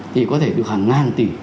thì có thể được hàng ngàn tỷ